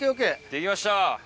できました。